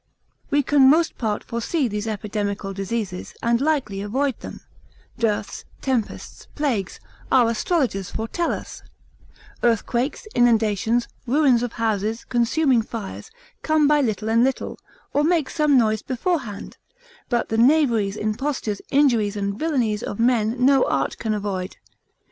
We can most part foresee these epidemical diseases, and likely avoid them; Dearths, tempests, plagues, our astrologers foretell us; Earthquakes, inundations, ruins of houses, consuming fires, come by little and little, or make some noise beforehand; but the knaveries, impostures, injuries and villainies of men no art can avoid.